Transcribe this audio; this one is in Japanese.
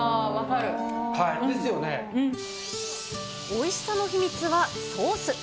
おいしさの秘密はソース。